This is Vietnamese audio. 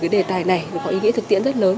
cái đề tài này có ý nghĩa thực tiễn rất lớn